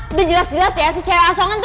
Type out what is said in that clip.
sudah jelas jelas ya si cewek asongan itu